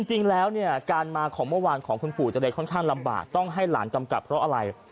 จริงแล้วเนี่ยการมาของเมื่อวานของคุณปู่เจริญค่อนข้างลำบากต้องให้หลานกำกับเพราะอะไร